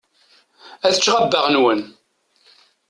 Ad ččeɣ abbaɣ-nwen.